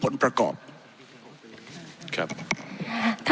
ผมจะขออนุญาตให้ท่านอาจารย์วิทยุซึ่งรู้เรื่องกฎหมายดีเป็นผู้ชี้แจงนะครับ